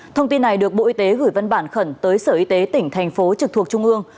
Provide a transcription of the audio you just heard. thông tin này được bộ y tế gửi văn bản khẩn tới sở y tế tỉnh thành phố trực thuộc trung ương